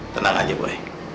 tenang aja boy